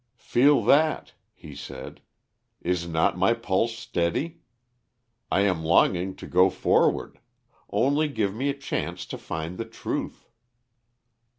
"Feel that," he said. "Is not my pulse steady? I am longing to go forward. Only give me a chance to find the truth."